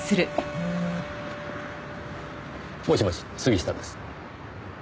もしもし杉下です。